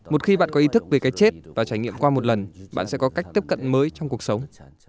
một khi bạn có ý thức về cái chết và trải nghiệm qua một lần bạn sẽ có cách tiếp cận mới trong cuộc sống